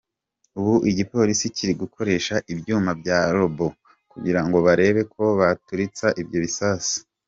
Ubu igipolisi kiri gukoresha ibyuma bya robo kugirango barebe ko baturitsa ibyo bisasu.